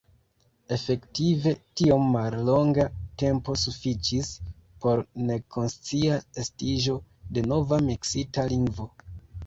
Efektive, tiom mallonga tempo sufiĉis por nekonscia estiĝo de nova miksita lingvo.